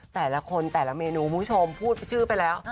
แต่ละคนแต่ละเมนูคุณผู้ชมพูดชื่อไปแล้ว